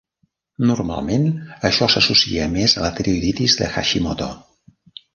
Normalment, això s'associa més a la tiroïditis de Hashimoto.